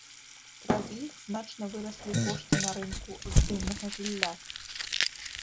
Праз іх значна выраслі кошты на рынку здымнага жылля.